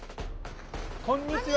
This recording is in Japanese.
こんにちは！